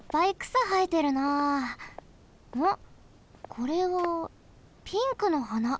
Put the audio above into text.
これはピンクのはな。